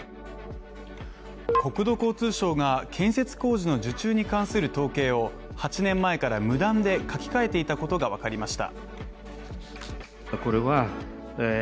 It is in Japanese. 国土交通省が建設工事の受注に関する統計を８年前から無断で書き換えていたことがわかりました。